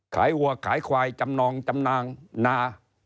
วัวขายควายจำนองจำนางนา